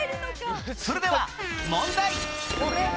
それでは問題！